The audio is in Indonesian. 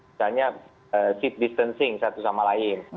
misalnya seat distancing satu sama lain